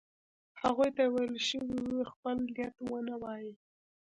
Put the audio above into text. هغوی ته ویل شوي وو چې خپل نیت ونه وايي.